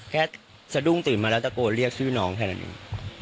สะดุ้งตื่นมาแล้วตะโกนเรียกชื่อน้องแค่นั้นเอง